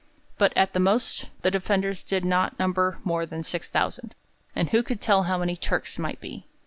But at the most the defenders did not number more than 6,000, and who could tell how many the Turks might be?